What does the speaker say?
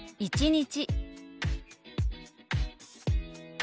「１日」。